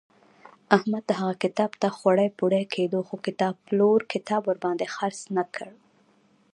احمد هغه کتاب ته خوړی بوړی کېدو خو کتابپلور کتاب ورباندې خرڅ نه کړ.